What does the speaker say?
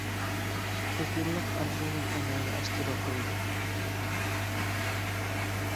كۆپ يىللىق ئارزۇيۇم ئەمەلگە ئاشتى دەپ بىلدى.